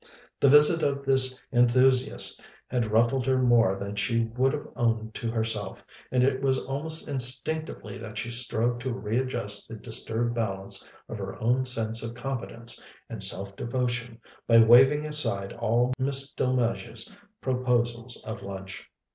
The visit of this enthusiast had ruffled her more than she would have owned to herself, and it was almost instinctively that she strove to readjust the disturbed balance of her own sense of competence and self devotion by waving aside all Miss Delmege's proposals of lunch.